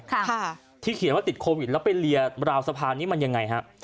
ค่ะที่เขียนว่าติดโควิดแล้วไปเรียราวสะพานนี้มันยังไงฮะ